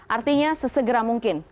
artinya sesegera mungkin